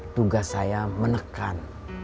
tugas saya menekan